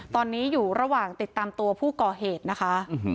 ตอนนี้อยู่ระหว่างติดตามตัวผู้ก่อเหตุนะคะ